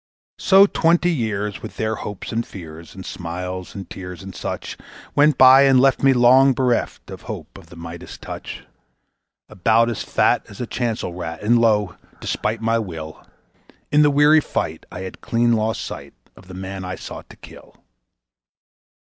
So twenty years, with their hopes and fears and smiles and tears and such, Went by and left me long bereft of hope of the Midas touch; About as fat as a chancel rat, and lo! despite my will, In the weary fight I had clean lost sight of the man I sought to kill.